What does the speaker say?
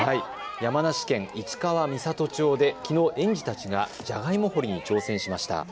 山梨県市川三郷町できのう園児たちがじゃがいも掘りに挑戦しました。